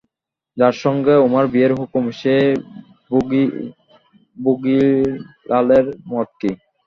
যার সঙ্গে উমার বিয়ের হুকুম সেই ভোগীলালের মত কী?